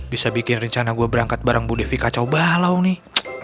bisa bikin rencana gue berangkat barang bu devi kacau balau nih